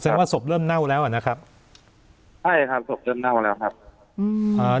ว่าศพเริ่มเน่าแล้วอ่ะนะครับใช่ครับศพเริ่มเน่าแล้วครับอืมอ่า